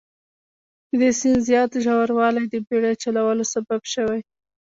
د دې سیند زیات ژوروالی د بیړۍ چلولو سبب شوي.